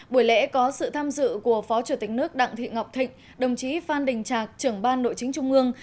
buổi lễ có sự tham dự của phó chủ tịch nước đặng thị ngọc thịnh đồng chí phan đình trạc trưởng ban nội chính trung ương